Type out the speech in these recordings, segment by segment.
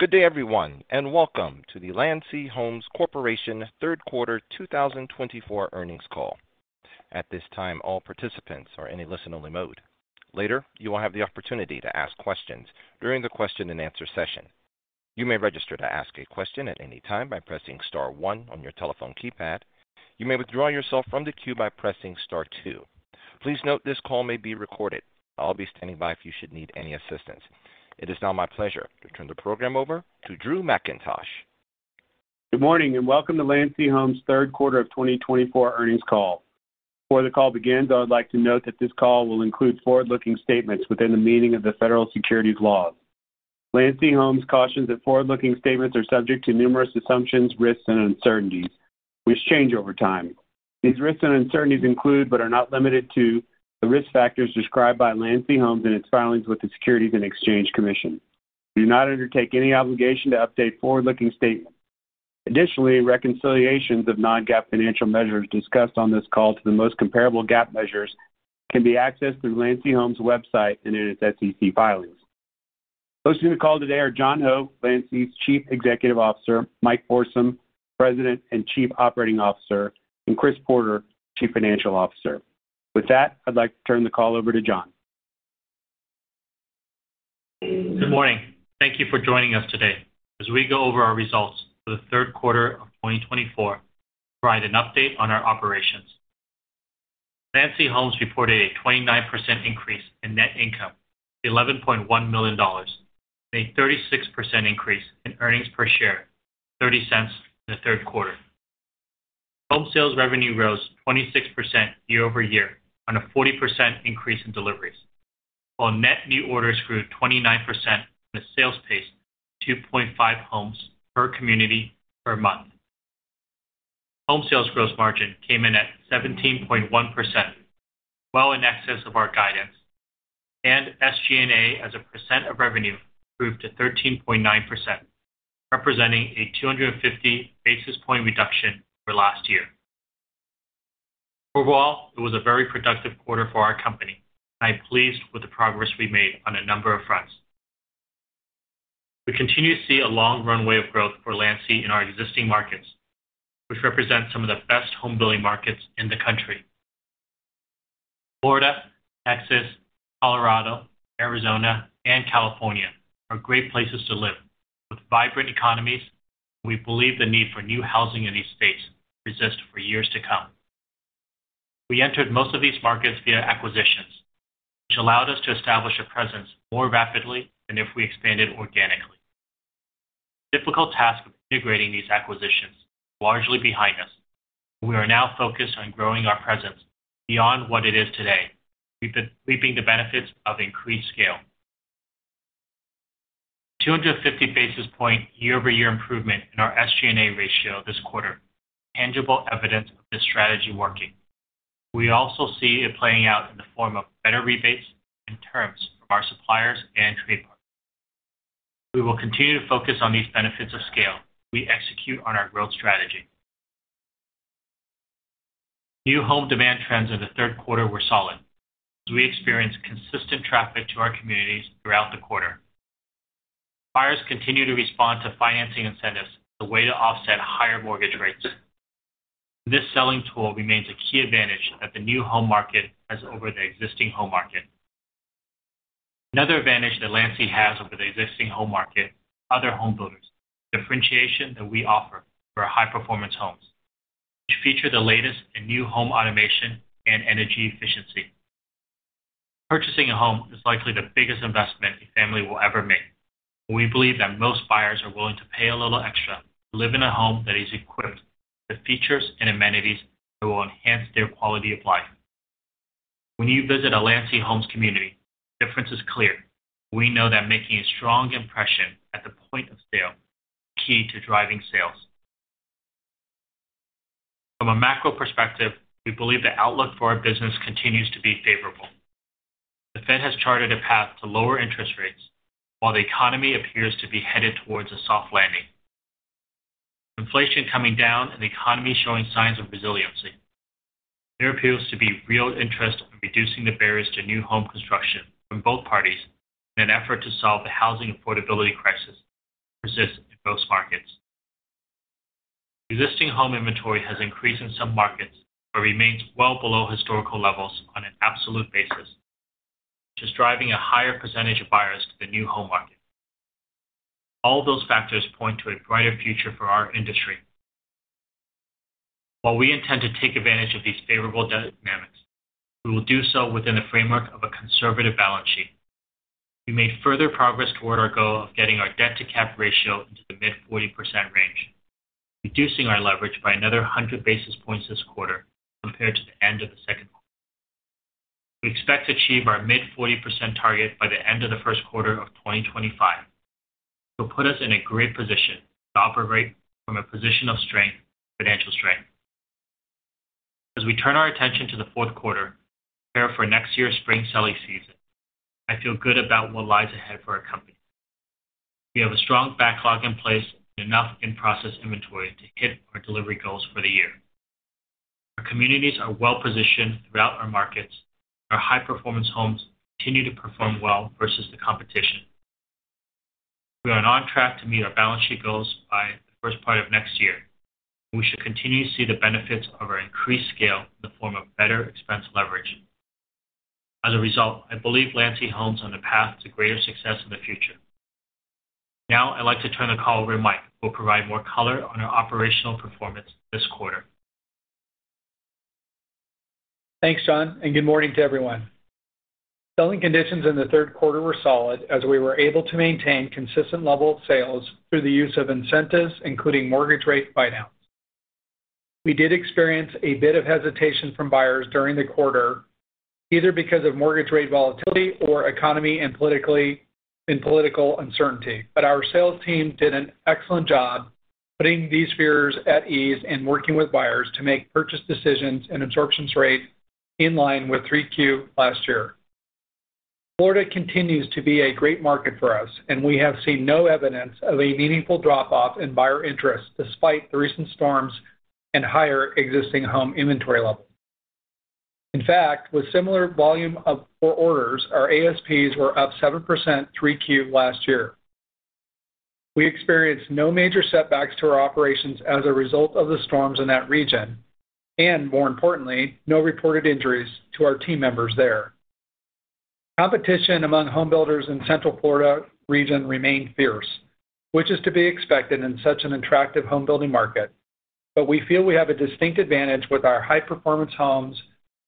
Good day, everyone, and welcome to the Landsea Homes Corporation third quarter 2024 earnings call. At this time, all participants are in a listen-only mode. Later, you will have the opportunity to ask questions during the question-and-answer session. You may register to ask a question at any time by pressing Star 1 on your telephone keypad. You may withdraw yourself from the queue by pressing Star 2. Please note this call may be recorded. I'll be standing by if you should need any assistance. It is now my pleasure to turn the program over to Drew Mackintosh. Good morning and welcome to Landsea Homes' third quarter of 2024 earnings call. Before the call begins, I would like to note that this call will include forward-looking statements within the meaning of the federal securities laws. Landsea Homes cautions that forward-looking statements are subject to numerous assumptions, risks, and uncertainties, which change over time. These risks and uncertainties include, but are not limited to, the risk factors described by Landsea Homes in its filings with the Securities and Exchange Commission. We do not undertake any obligation to update forward-looking statements. Additionally, reconciliations of non-GAAP financial measures discussed on this call to the most comparable GAAP measures can be accessed through Landsea Homes' website and in its SEC filings. Hosting the call today are John Ho, Landsea's Chief Executive Officer, Mike Forsum, President and Chief Operating Officer, and Chris Porter, Chief Financial Officer. With that, I'd like to turn the call over to John. Good morning. Thank you for joining us today as we go over our results for the third quarter of 2024 to provide an update on our operations. Landsea Homes reported a 29% increase in net income of $11.1 million and a 36% increase in earnings per share of $0.30 in the third quarter. Home sales revenue rose 26% year over year on a 40% increase in deliveries, while net new orders grew 29% in a sales pace of 2.5 homes per community per month. Home sales gross margin came in at 17.1%, well in excess of our guidance, and SG&A as a percent of revenue improved to 13.9%, representing a 250 basis point reduction over last year. Overall, it was a very productive quarter for our company, and I'm pleased with the progress we made on a number of fronts. We continue to see a long runway of growth for Landsea in our existing markets, which represent some of the best home-building markets in the country. Florida, Texas, Colorado, Arizona, and California are great places to live with vibrant economies, and we believe the need for new housing in these states persists for years to come. We entered most of these markets via acquisitions, which allowed us to establish a presence more rapidly than if we expanded organically. The difficult task of integrating these acquisitions is largely behind us, and we are now focused on growing our presence beyond what it is today, reaping the benefits of increased scale. The 250 basis points year-over-year improvement in our SG&A ratio this quarter is tangible evidence of this strategy working. We also see it playing out in the form of better rebates and terms from our suppliers and trade partners. We will continue to focus on these benefits of scale as we execute on our growth strategy. New home demand trends in the third quarter were solid as we experienced consistent traffic to our communities throughout the quarter. Buyers continue to respond to financing incentives as a way to offset higher mortgage rates. This selling tool remains a key advantage that the new home market has over the existing home market. Another advantage that Landsea has over the existing home market and other home builders is the differentiation that we offer for our High Performance Homes, which feature the latest in new home automation and energy efficiency. Purchasing a home is likely the biggest investment a family will ever make, and we believe that most buyers are willing to pay a little extra to live in a home that is equipped with the features and amenities that will enhance their quality of life. When you visit a Landsea Homes community, the difference is clear, and we know that making a strong impression at the point of sale is key to driving sales. From a macro perspective, we believe the outlook for our business continues to be favorable. The Fed has charted a path to lower interest rates, while the economy appears to be headed towards a soft landing. Inflation coming down and the economy showing signs of resiliency, there appears to be real interest in reducing the barriers to new home construction from both parties in an effort to solve the housing affordability crisis that persists in most markets. Existing home inventory has increased in some markets but remains well below historical levels on an absolute basis, which is driving a higher percentage of buyers to the new home market. All those factors point to a brighter future for our industry. While we intend to take advantage of these favorable dynamics, we will do so within the framework of a conservative balance sheet. We made further progress toward our goal of getting our debt-to-cap ratio into the mid-40% range, reducing our leverage by another 100 basis points this quarter compared to the end of the second quarter. We expect to achieve our mid-40% target by the end of the first quarter of 2025, which will put us in a great position to operate from a position of strength and financial strength. As we turn our attention to the fourth quarter, prepare for next year's spring selling season. I feel good about what lies ahead for our company. We have a strong backlog in place and enough in-process inventory to hit our delivery goals for the year. Our communities are well-positioned throughout our markets, and our High Performance Homes continue to perform well versus the competition. We are on track to meet our balance sheet goals by the first part of next year, and we should continue to see the benefits of our increased scale in the form of better expense leverage. As a result, I believe Landsea Homes is on a path to greater success in the future. Now, I'd like to turn the call over to Mike, who will provide more color on our operational performance this quarter. Thanks, John, and good morning to everyone. Selling conditions in the third quarter were solid as we were able to maintain a consistent level of sales through the use of incentives, including mortgage rate buy-downs. We did experience a bit of hesitation from buyers during the quarter, either because of mortgage rate volatility or economy and political uncertainty, but our sales team did an excellent job putting these fears at ease and working with buyers to make purchase decisions and absorption rates in line with 3Q last year. Florida continues to be a great market for us, and we have seen no evidence of a meaningful drop-off in buyer interest despite the recent storms and higher existing home inventory levels. In fact, with a similar volume of orders, our ASPs were up 7% 3Q last year. We experienced no major setbacks to our operations as a result of the storms in that region and, more importantly, no reported injuries to our team members there. Competition among home builders in the Central Florida region remained fierce, which is to be expected in such an attractive home-building market, but we feel we have a distinct advantage with our high-performance homes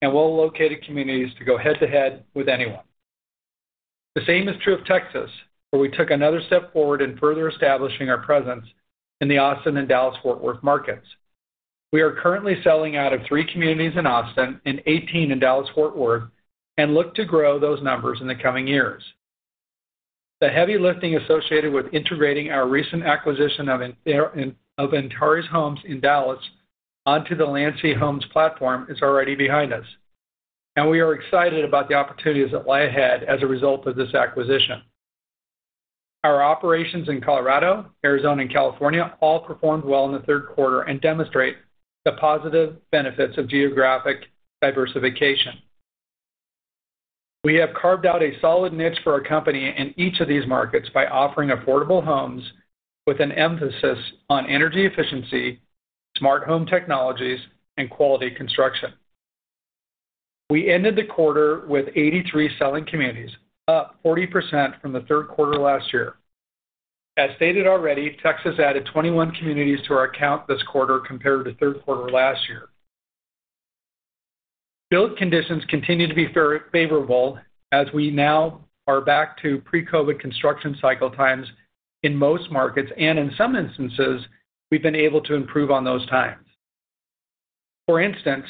and well-located communities to go head-to-head with anyone. The same is true of Texas, where we took another step forward in further establishing our presence in the Austin and Dallas-Fort Worth markets. We are currently selling out of three communities in Austin and 18 in Dallas-Fort Worth and look to grow those numbers in the coming years. The heavy lifting associated with integrating our recent acquisition of Antares Homes in Dallas onto the Landsea Homes platform is already behind us, and we are excited about the opportunities that lie ahead as a result of this acquisition. Our operations in Colorado, Arizona, and California all performed well in the third quarter and demonstrate the positive benefits of geographic diversification. We have carved out a solid niche for our company in each of these markets by offering affordable homes with an emphasis on energy efficiency, smart home technologies, and quality construction. We ended the quarter with 83 selling communities, up 40% from the third quarter last year. As stated already, Texas added 21 communities to our account this quarter compared to the third quarter last year. Build conditions continue to be favorable as we now are back to pre-COVID construction cycle times in most markets, and in some instances, we've been able to improve on those times. For instance,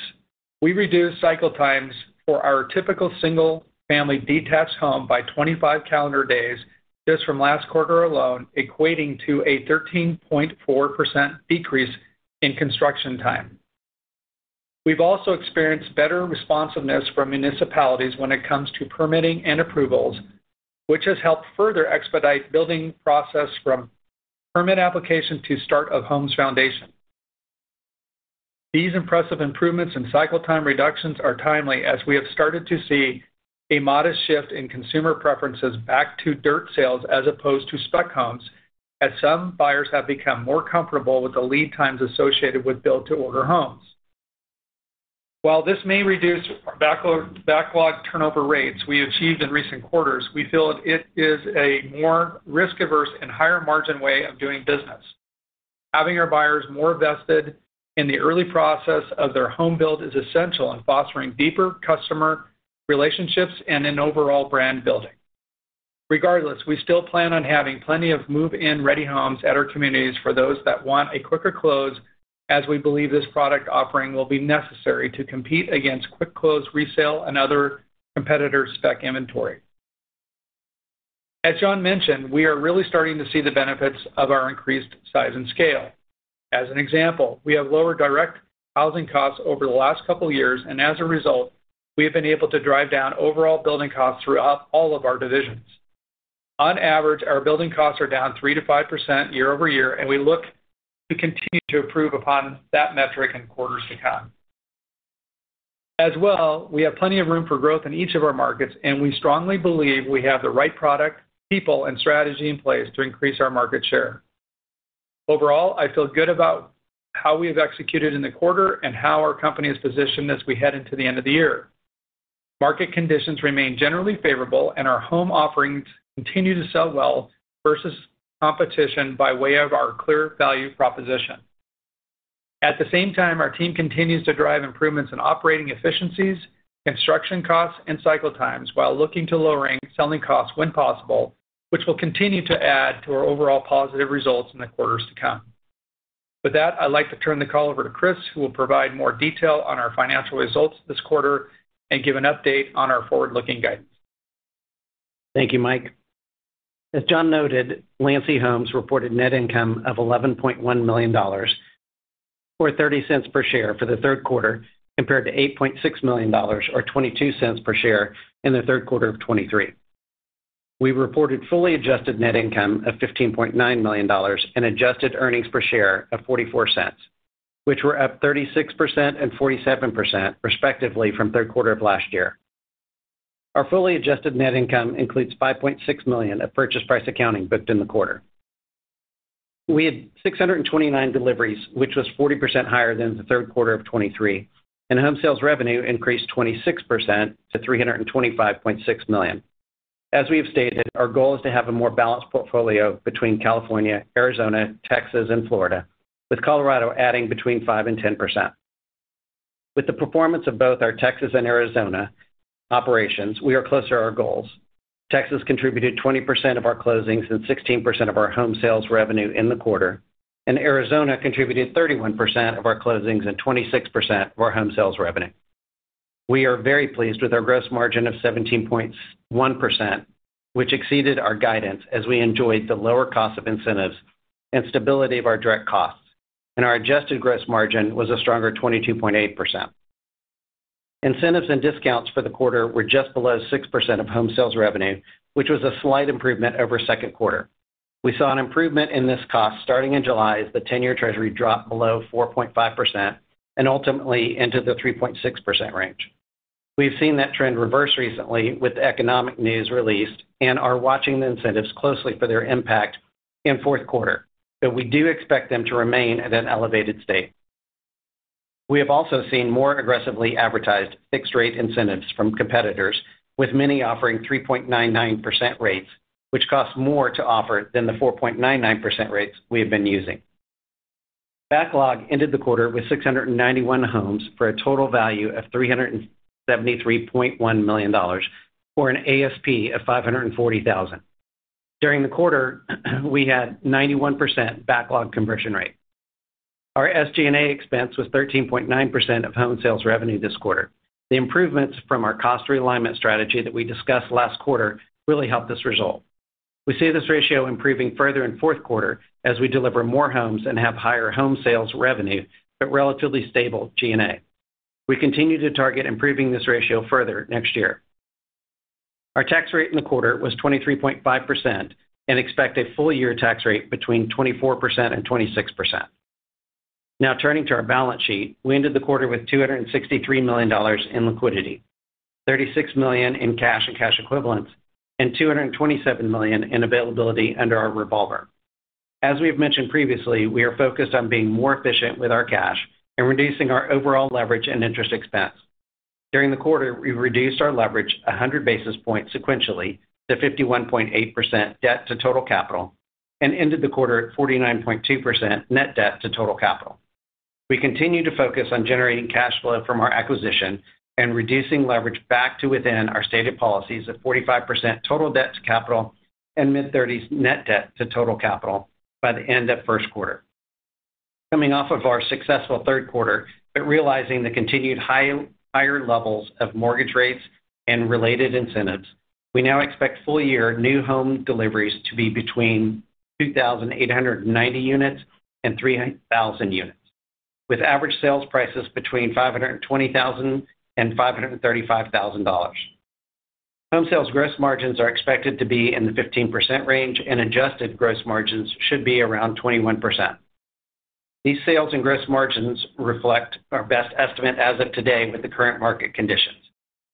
we reduced cycle times for our typical single-family detached home by 25 calendar days just from last quarter alone, equating to a 13.4% decrease in construction time. We've also experienced better responsiveness from municipalities when it comes to permitting and approvals, which has helped further expedite the building process from permit application to start-of-home foundation. These impressive improvements in cycle time reductions are timely as we have started to see a modest shift in consumer preferences back to dirt sales as opposed to spec homes, as some buyers have become more comfortable with the lead times associated with build-to-order homes. While this may reduce our backlog turnover rates we achieved in recent quarters, we feel it is a more risk-averse and higher-margin way of doing business. Having our buyers more vested in the early process of their home build is essential in fostering deeper customer relationships and in overall brand building. Regardless, we still plan on having plenty of move-in ready homes at our communities for those that want a quicker close, as we believe this product offering will be necessary to compete against quick-close resale and other competitors' spec inventory. As John mentioned, we are really starting to see the benefits of our increased size and scale. As an example, we have lowered direct housing costs over the last couple of years, and as a result, we have been able to drive down overall building costs throughout all of our divisions. On average, our building costs are down 3%-5% year over year, and we look to continue to improve upon that metric in quarters to come. As well, we have plenty of room for growth in each of our markets, and we strongly believe we have the right product, people, and strategy in place to increase our market share. Overall, I feel good about how we have executed in the quarter and how our company is positioned as we head into the end of the year. Market conditions remain generally favorable, and our home offerings continue to sell well versus competition by way of our clear value proposition. At the same time, our team continues to drive improvements in operating efficiencies, construction costs, and cycle times while looking to lowering selling costs when possible, which will continue to add to our overall positive results in the quarters to come. With that, I'd like to turn the call over to Chris, who will provide more detail on our financial results this quarter and give an update on our forward-looking guidance. Thank you, Mike. As John noted, Landsea Homes reported net income of $11.1 million or $0.30 per share for the third quarter compared to $8.6 million or $0.22 per share in the third quarter of 2023. We reported fully adjusted net income of $15.9 million and adjusted earnings per share of $0.44, which were up 36% and 47% respectively from the third quarter of last year. Our fully adjusted net income includes $5.6 million of purchase price accounting booked in the quarter. We had 629 deliveries, which was 40% higher than the third quarter of 2023, and home sales revenue increased 26% to $325.6 million. As we have stated, our goal is to have a more balanced portfolio between California, Arizona, Texas, and Florida, with Colorado adding between 5% and 10%. With the performance of both our Texas and Arizona operations, we are closer to our goals. Texas contributed 20% of our closings and 16% of our home sales revenue in the quarter, and Arizona contributed 31% of our closings and 26% of our home sales revenue. We are very pleased with our gross margin of 17.1%, which exceeded our guidance as we enjoyed the lower cost of incentives and stability of our direct costs, and our adjusted gross margin was a stronger 22.8%. Incentives and discounts for the quarter were just below 6% of home sales revenue, which was a slight improvement over the second quarter. We saw an improvement in this cost starting in July as the 10-year Treasury dropped below 4.5% and ultimately into the 3.6% range. We have seen that trend reverse recently with the economic news released and are watching the incentives closely for their impact in the fourth quarter, but we do expect them to remain at an elevated state. We have also seen more aggressively advertised fixed-rate incentives from competitors, with many offering 3.99% rates, which cost more to offer than the 4.99% rates we have been using. Backlog ended the quarter with 691 homes for a total value of $373.1 million or an ASP of $540,000. During the quarter, we had a 91% backlog conversion rate. Our SG&A expense was 13.9% of home sales revenue this quarter. The improvements from our cost realignment strategy that we discussed last quarter really helped this result. We see this ratio improving further in the fourth quarter as we deliver more homes and have higher home sales revenue but relatively stable G&A. We continue to target improving this ratio further next year. Our tax rate in the quarter was 23.5% and expect a full-year tax rate between 24% and 26%. Now, turning to our balance sheet, we ended the quarter with $263 million in liquidity, $36 million in cash and cash equivalents, and $227 million in availability under our revolver. As we have mentioned previously, we are focused on being more efficient with our cash and reducing our overall leverage and interest expense. During the quarter, we reduced our leverage 100 basis points sequentially to 51.8% debt to total capital and ended the quarter at 49.2% net debt to total capital. We continue to focus on generating cash flow from our acquisition and reducing leverage back to within our stated policies at 45% total debt to capital and mid-30s net debt to total capital by the end of the first quarter. Coming off of our successful third quarter but realizing the continued higher levels of mortgage rates and related incentives, we now expect full-year new home deliveries to be between 2,890 units and 3,000 units, with average sales prices between $520,000 and $535,000. Home sales gross margins are expected to be in the 15% range, and adjusted gross margins should be around 21%. These sales and gross margins reflect our best estimate as of today with the current market conditions.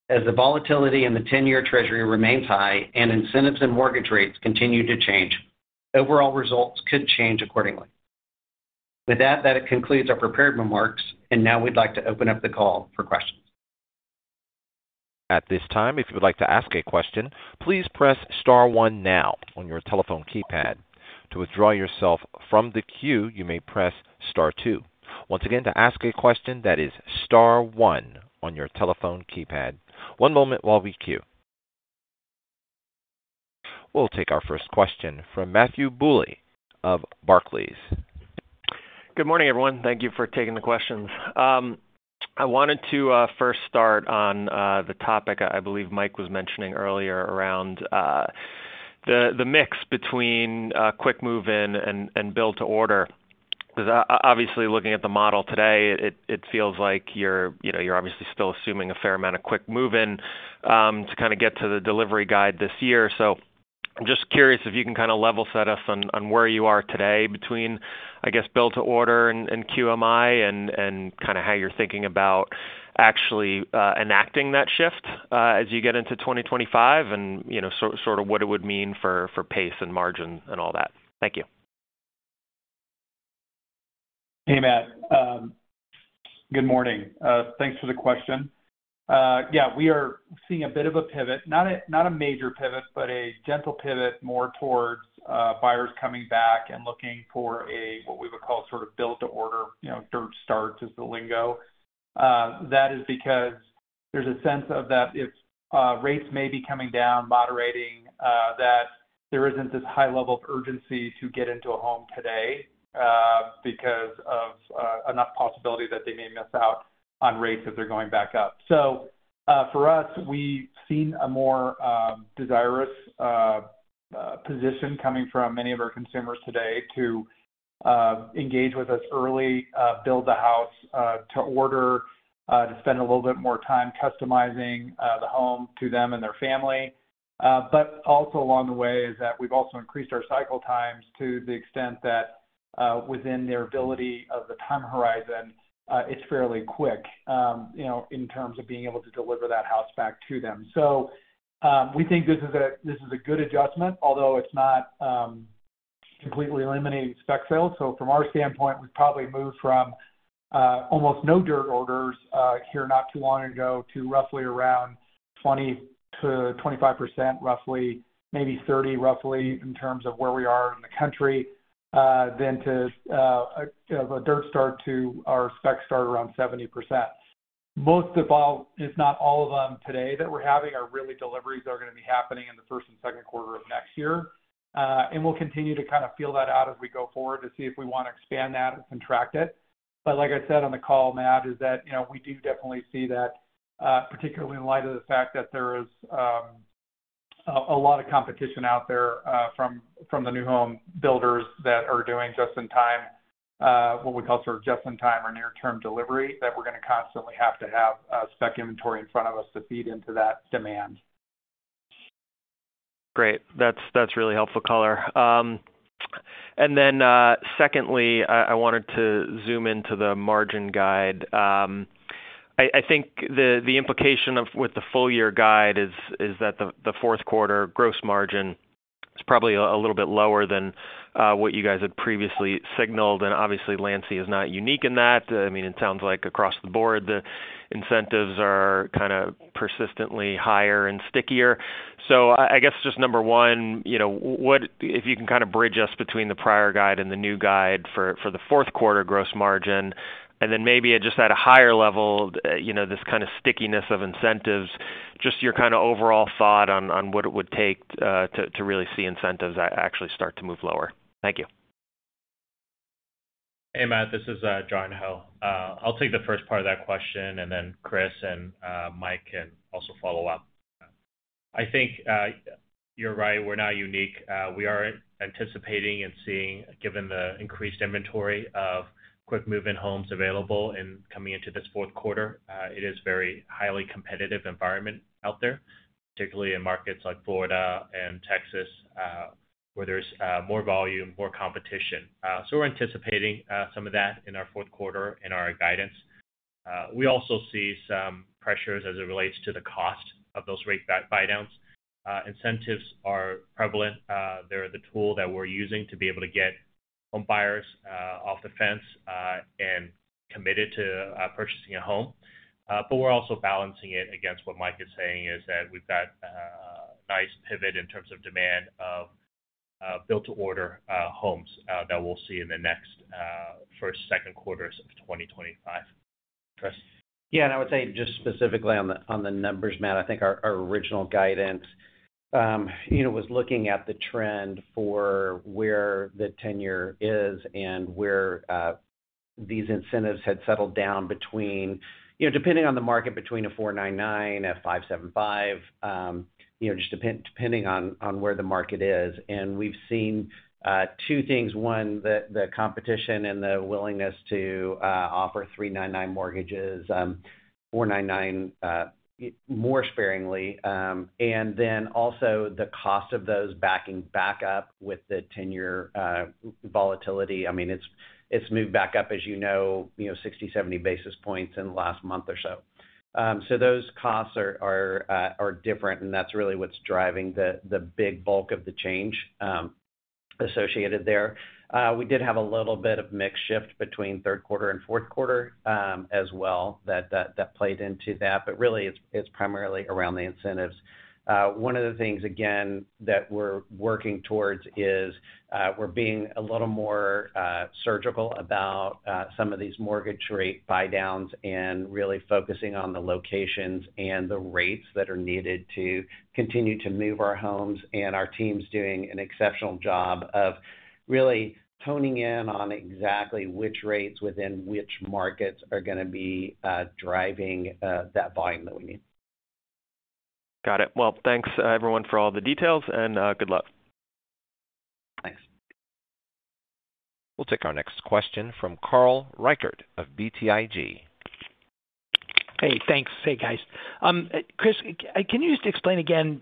As the volatility in the 10-year Treasury remains high and incentives and mortgage rates continue to change, overall results could change accordingly. With that, that concludes our prepared remarks, and now we'd like to open up the call for questions. At this time, if you would like to ask a question, please press Star 1 now on your telephone keypad. To withdraw yourself from the queue, you may press Star 2. Once again, to ask a question, that is Star 1 on your telephone keypad. One moment while we queue. We'll take our first question from Matthew Bouley of Barclays. Good morning, everyone. Thank you for taking the questions. I wanted to first start on the topic I believe Mike was mentioning earlier around the mix between quick move-in and build-to-order. Obviously, looking at the model today, it feels like you're obviously still assuming a fair amount of quick move-in to kind of get to the delivery guide this year. So I'm just curious if you can kind of level set us on where you are today between, I guess, build-to-order and QMI and kind of how you're thinking about actually enacting that shift as you get into 2025 and sort of what it would mean for pace and margin and all that? Thank you. Hey, Matt. Good morning. Thanks for the question. Yeah, we are seeing a bit of a pivot, not a major pivot, but a gentle pivot more towards buyers coming back and looking for what we would call sort of build-to-order, dirt starts is the lingo. That is because there's a sense that if rates may be coming down, moderating, that there isn't this high level of urgency to get into a home today because of enough possibility that they may miss out on rates if they're going back up. So for us, we've seen a more desirous position coming from many of our consumers today to engage with us early, build the house to order, to spend a little bit more time customizing the home to them and their family. But also along the way is that we've also increased our cycle times to the extent that within their ability of the time horizon, it's fairly quick in terms of being able to deliver that house back to them. So we think this is a good adjustment, although it's not completely eliminating spec sales. So from our standpoint, we've probably moved from almost no dirt orders here not too long ago to roughly around 20%-25%, roughly, maybe 30% roughly in terms of where we are in the country, then to a dirt start to our spec start around 70%. Most, if not all of them, today that we're having are really deliveries that are going to be happening in the first and second quarter of next year. We'll continue to kind of feel that out as we go forward to see if we want to expand that or contract it. But like I said on the call, Matt, is that we do definitely see that, particularly in light of the fact that there is a lot of competition out there from the new home builders that are doing just-in-time, what we call sort of just-in-time or near-term delivery, that we're going to constantly have to have spec inventory in front of us to feed into that demand. Great. That's really helpful, John. And then secondly, I wanted to zoom into the margin guide. I think the implication with the full-year guide is that the fourth quarter gross margin is probably a little bit lower than what you guys had previously signaled. And obviously, Landsea is not unique in that. I mean, it sounds like across the board, the incentives are kind of persistently higher and stickier. So I guess just number one, if you can kind of bridge us between the prior guide and the new guide for the fourth quarter gross margin, and then maybe just at a higher level, this kind of stickiness of incentives, just your kind of overall thought on what it would take to really see incentives actually start to move lower. Thank you. Hey, Matt. This is John Ho. I'll take the first part of that question, and then Chris and Mike can also follow up. I think you're right. We're not unique. We are anticipating and seeing, given the increased inventory of quick move-in homes available and coming into this fourth quarter, it is a very highly competitive environment out there, particularly in markets like Florida and Texas where there's more volume, more competition. So we're anticipating some of that in our fourth quarter in our guidance. We also see some pressures as it relates to the cost of those rate buy-downs. Incentives are prevalent. They're the tool that we're using to be able to get home buyers off the fence and committed to purchasing a home. But we're also balancing it against what Mike is saying is that we've got a nice pivot in terms of demand of build-to-order homes that we'll see in the next first, second quarters of 2025. Yeah. And I would say just specifically on the numbers, Matt, I think our original guidance was looking at the trend for where the 10-year is and where these incentives had settled down depending on the market between a 4.99%, a 5.75%, just depending on where the market is. And we've seen two things. One, the competition and the willingness to offer 3.99% mortgages, 4.99% more sparingly, and then also the cost of those backing back up with the 10-year volatility. I mean, it's moved back up, as you know, 60, 70 basis points in the last month or so. So those costs are different, and that's really what's driving the big bulk of the change associated there. We did have a little bit of mixed shift between third quarter and fourth quarter as well that played into that. But really, it's primarily around the incentives. One of the things, again, that we're working towards is we're being a little more surgical about some of these mortgage rate buy-downs and really focusing on the locations and the rates that are needed to continue to move our homes. And our team's doing an exceptional job of really honing in on exactly which rates within which markets are going to be driving that volume that we need. Got it. Well, thanks, everyone, for all the details, and good luck. Thanks. We'll take our next question from Carl Reichardt of BTIG. Hey, thanks. Hey, guys. Chris, can you just explain again?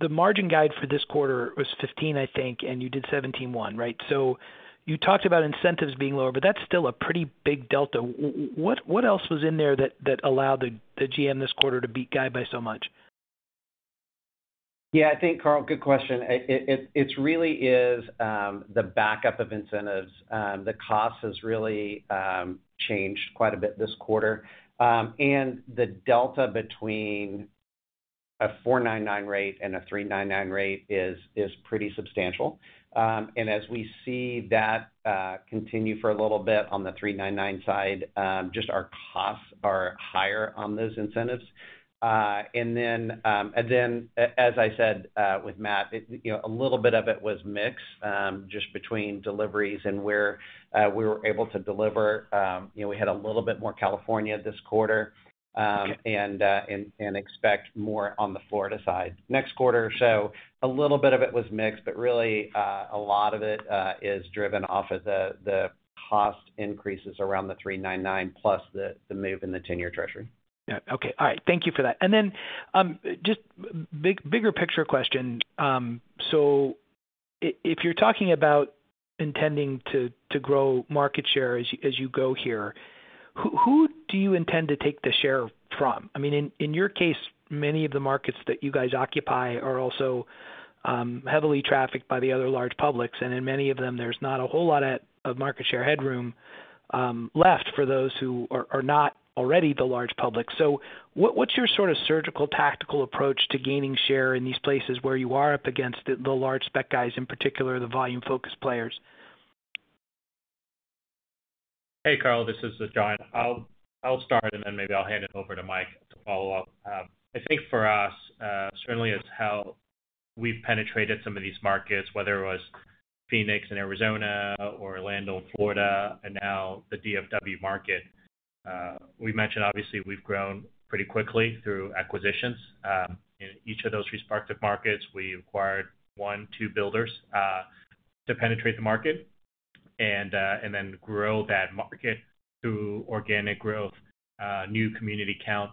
The margin guide for this quarter was 15%, I think, and you did 17.1%, right? So you talked about incentives being lower, but that's still a pretty big delta. What else was in there that allowed the GM this quarter to beat guide by so much? Yeah. I think, Carl, good question. It really is the makeup of incentives. The cost has really changed quite a bit this quarter. And the delta between a 4.99% rate and a 3.99% rate is pretty substantial. And as we see that continue for a little bit on the 3.99% side, just our costs are higher on those incentives. And then, as I said with Matt, a little bit of it was mixed just between deliveries and where we were able to deliver. We had a little bit more California this quarter and expect more on the Florida side next quarter or so. A little bit of it was mixed, but really, a lot of it is driven off of the cost increases around the 3.99% plus the move in the 10-year Treasury. Yeah. Okay. All right. Thank you for that. And then just bigger picture question. So if you're talking about intending to grow market share as you go here, who do you intend to take the share from? I mean, in your case, many of the markets that you guys occupy are also heavily trafficked by the other large publics, and in many of them, there's not a whole lot of market share headroom left for those who are not already the large public. So what's your sort of surgical tactical approach to gaining share in these places where you are up against the large spec guys, in particular the volume-focused players? Hey, Carl. This is John. I'll start, and then maybe I'll hand it over to Mike to follow up. I think for us, certainly as how we've penetrated some of these markets, whether it was Phoenix in Arizona, Orlando in Florida, and now the DFW market, we mentioned obviously we've grown pretty quickly through acquisitions. In each of those respective markets, we acquired one, two builders to penetrate the market and then grow that market through organic growth, new community count,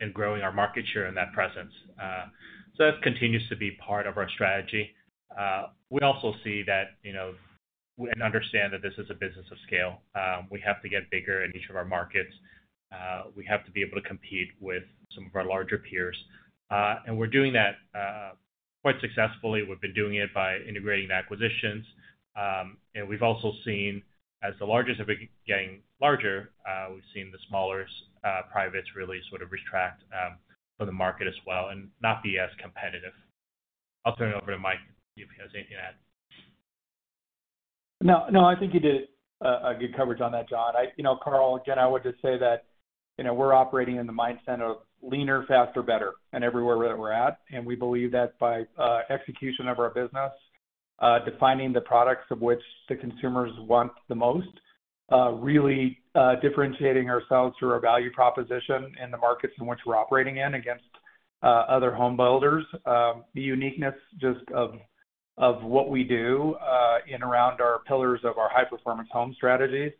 and growing our market share in that presence. So that continues to be part of our strategy. We also see that and understand that this is a business of scale. We have to get bigger in each of our markets. We have to be able to compete with some of our larger peers, and we're doing that quite successfully. We've been doing it by integrating acquisitions. And we've also seen as the largest are getting larger. We've seen the smaller privates really sort of retract from the market as well and not be as competitive. I'll turn it over to Mike if he has anything to add. No, no, I think you did a good coverage on that, John. Carl, again, I would just say that we're operating in the mindset of leaner, faster, better and everywhere that we're at, and we believe that by execution of our business, defining the products of which the consumers want the most, really differentiating ourselves through our value proposition in the markets in which we're operating in against other home builders, the uniqueness just of what we do and around our pillars of our High Performance Homes strategies,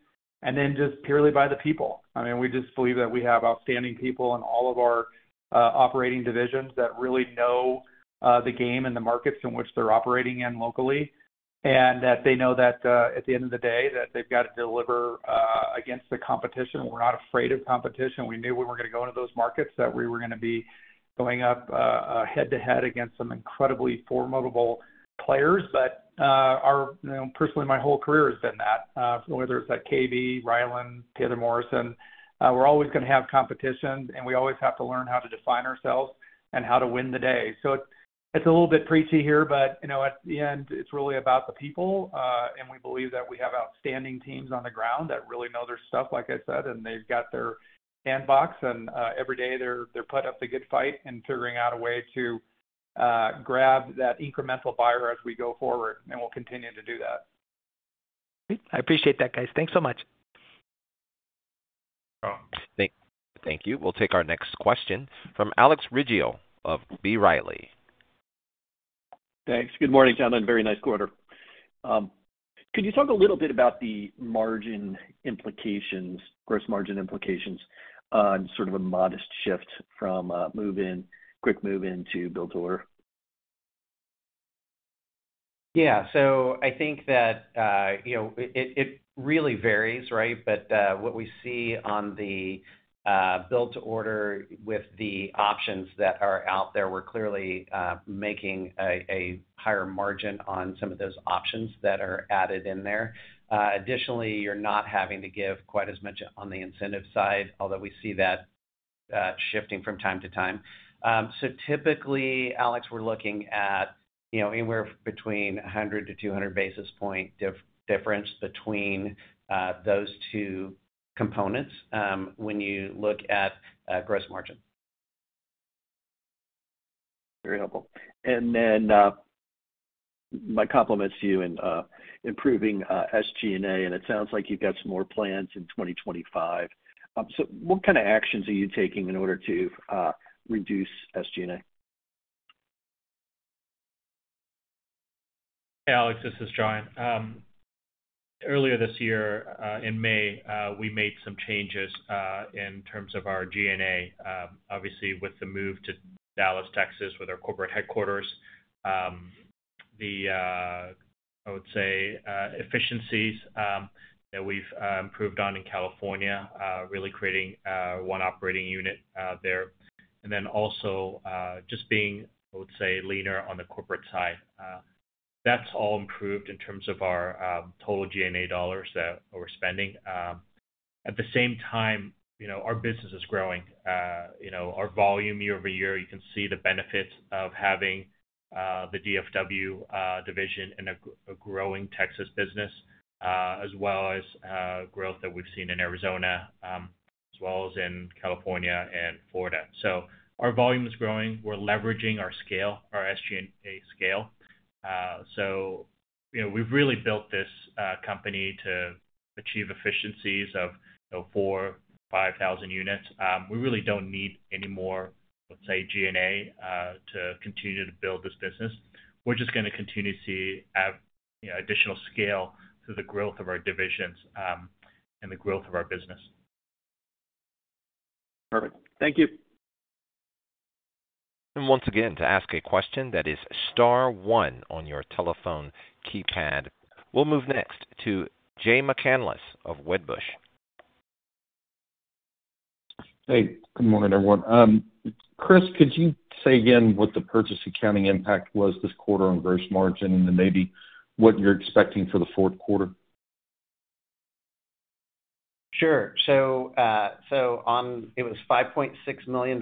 and then just purely by the people. I mean, we just believe that we have outstanding people in all of our operating divisions that really know the game and the markets in which they're operating in locally and that they know that at the end of the day, that they've got to deliver against the competition. We're not afraid of competition. We knew we were going to go into those markets, that we were going to be going up head-to-head against some incredibly formidable players, but personally, my whole career has been that. Whether it's at KB, Ryland, Taylor Morrison, we're always going to have competition, and we always have to learn how to define ourselves and how to win the day, so it's a little bit preachy here, but at the end, it's really about the people, and we believe that we have outstanding teams on the ground that really know their stuff, like I said, and they've got their handbook, and every day, they put up a good fight and figuring out a way to grab that incremental buyer as we go forward, and we'll continue to do that. I appreciate that, guys. Thanks so much. Thank you. We'll take our next question from Alex Rygiel of B. Riley. Thanks. Good morning, gentlemen. Very nice quarter. Could you talk a little bit about the margin implications, gross margin implications on sort of a modest shift from move-in, quick move-in to build-to-order? Yeah. So I think that it really varies, right? But what we see on the build-to-order with the options that are out there, we're clearly making a higher margin on some of those options that are added in there. Additionally, you're not having to give quite as much on the incentive side, although we see that shifting from time to time. So typically, Alex, we're looking at anywhere between 100 to 200 basis point difference between those two components when you look at gross margin. Very helpful. And then my compliments to you in improving SG&A, and it sounds like you've got some more plans in 2025. So what kind of actions are you taking in order to reduce SG&A? Hey, Alex, this is John. Earlier this year in May, we made some changes in terms of our G&A. Obviously, with the move to Dallas, Texas, with our corporate headquarters, the, I would say, efficiencies that we've improved on in California, really creating one operating unit there. And then also just being, I would say, leaner on the corporate side. That's all improved in terms of our total G&A dollars that we're spending. At the same time, our business is growing. Our volume year over year, you can see the benefits of having the DFW division in a growing Texas business, as well as growth that we've seen in Arizona, as well as in California and Florida. So our volume is growing. We're leveraging our scale, our SG&A scale. So we've really built this company to achieve efficiencies of 4,000-5,000 units. We really don't need any more, let's say, G&A to continue to build this business. We're just going to continue to see additional scale through the growth of our divisions and the growth of our business. Perfect. Thank you. Once again, to ask a question that is star one on your telephone keypad. We'll move next to Jay McCanless of Wedbush. Hey, good morning, everyone. Chris, could you say again what the purchase accounting impact was this quarter on gross margin and then maybe what you're expecting for the fourth quarter? Sure. So it was $5.6 million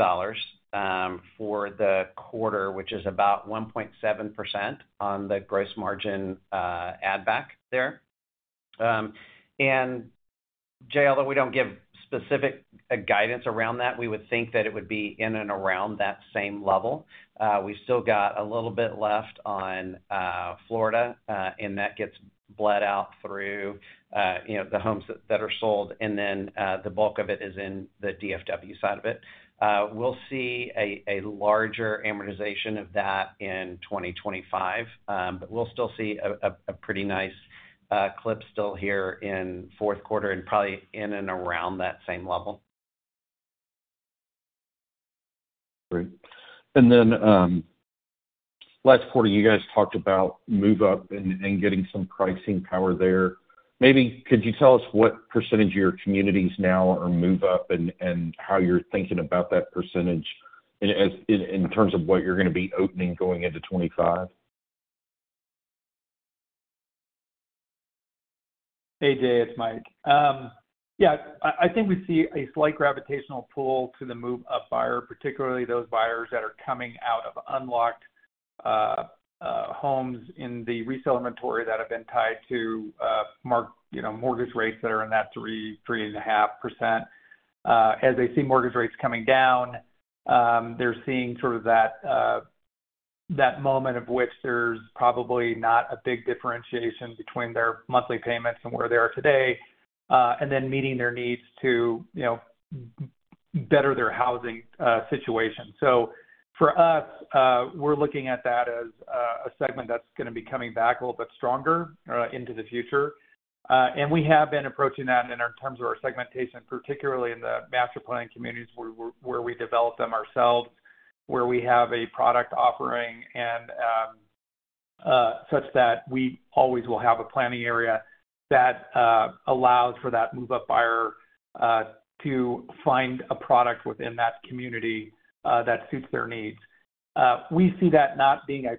for the quarter, which is about 1.7% on the gross margin add-back there. And, Jay, although we don't give specific guidance around that, we would think that it would be in and around that same level. We've still got a little bit left on Florida, and that gets bled out through the homes that are sold. And then the bulk of it is in the DFW side of it. We'll see a larger amortization of that in 2025, but we'll still see a pretty nice clip still here in fourth quarter and probably in and around that same level. Great. And then last quarter, you guys talked about move-up and getting some pricing power there. Maybe could you tell us what percentage of your communities now are move-up and how you're thinking about that percentage in terms of what you're going to be opening going into 2025? Hey, Jay, it's Mike. Yeah, I think we see a slight gravitational pull to the move-up buyer, particularly those buyers that are coming out of locked homes in the resale inventory that have been tied to mortgage rates that are in that 3%-3.5%. As they see mortgage rates coming down, they're seeing sort of that moment of which there's probably not a big differentiation between their monthly payments and where they are today, and then meeting their needs to better their housing situation. So for us, we're looking at that as a segment that's going to be coming back a little bit stronger into the future. We have been approaching that in terms of our segmentation, particularly in the master-planned communities where we develop them ourselves, where we have a product offering such that we always will have a planning area that allows for that move-up buyer to find a product within that community that suits their needs. We see that not being a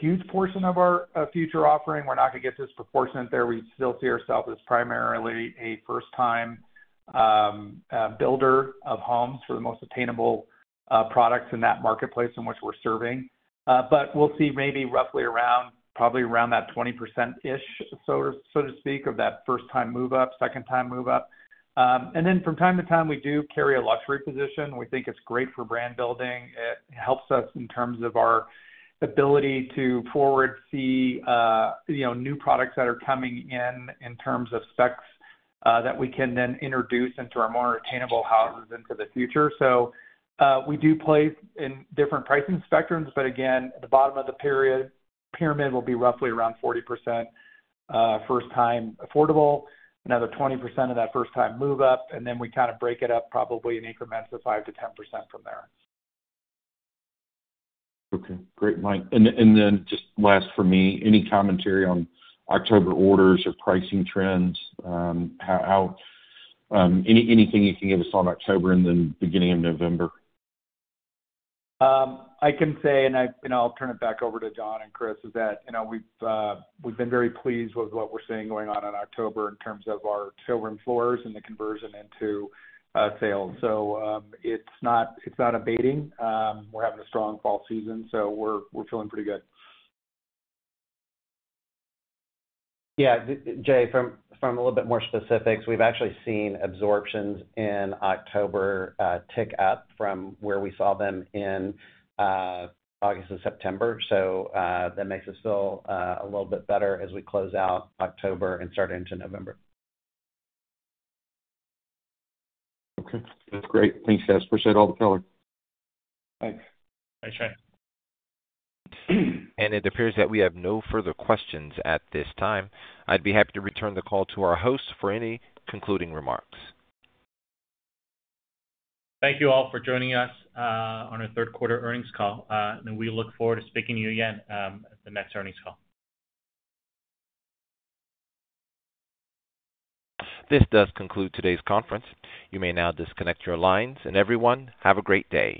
huge portion of our future offering. We're not going to get disproportionate there. We still see ourselves as primarily a first-time builder of homes for the most attainable products in that marketplace in which we're serving. We'll see maybe roughly around probably around that 20%-ish, so to speak, of that first-time move-up, second-time move-up. Then from time to time, we do carry a luxury position. We think it's great for brand building. It helps us in terms of our ability to foresee new products that are coming in in terms of specs that we can then introduce into our more attainable houses into the future. So we do play in different pricing spectrums, but again, at the bottom of the pyramid, we'll be roughly around 40% first-time affordable, another 20% of that first-time move-up, and then we kind of break it up probably in increments of 5%-10% from there. Okay. Great, Mike. And then just last for me, any commentary on October orders or pricing trends? Anything you can give us on October and then beginning of November? I can say, and I'll turn it back over to John and Chris, is that we've been very pleased with what we're seeing going on in October in terms of our showroom floors and the conversion into sales. So it's not abating. We're having a strong fall season, so we're feeling pretty good. Yeah. Jay, from a little bit more specifics, we've actually seen absorptions in October tick up from where we saw them in August and September. So that makes us feel a little bit better as we close out October and start into November. Okay. That's great. Thanks, guys. Appreciate all the color. Thanks. Thanks, Jay. It appears that we have no further questions at this time. I'd be happy to return the call to our host for any concluding remarks. Thank you all for joining us on our third quarter earnings call. We look forward to speaking to you again at the next earnings call. This does conclude today's conference. You may now disconnect your lines. And everyone, have a great day.